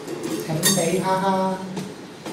請俾哈哈